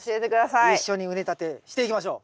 一緒に畝立てしていきましょう。